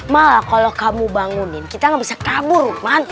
malah kalau kamu bangunin kita nggak bisa kabur rukman